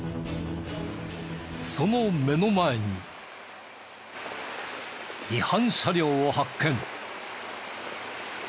その目の前に違反車両を発見。